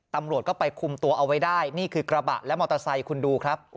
ตำรวจก็ไปคุมตัวเอาไว้ได้นี่คือกระบะและมอเตอร์ไซค์คุณดูครับ